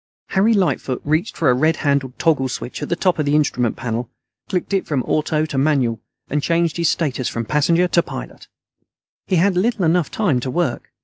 Harry Lightfoot reached for a red handled toggle switch at the top of the instrument panel, clicked it from AUTO to MANUAL, and changed his status from passenger to pilot. He had little enough time to work.